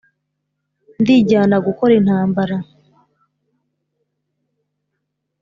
ndijyana gukora intambara